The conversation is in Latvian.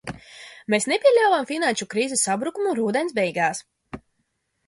Mēs nepieļāvām finanšu krīzes sabrukumu rudens beigās.